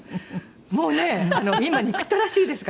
もうね今憎たらしいですからね。